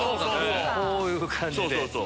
こういう感じで。